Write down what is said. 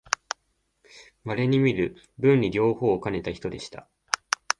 まれにみる文理両方をかねた人でした